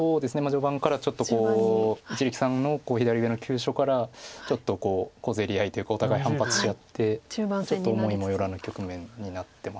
序盤からちょっと一力さんの左上の急所からちょっと小競り合いというかお互い反発し合ってちょっと思いもよらぬ局面になってます。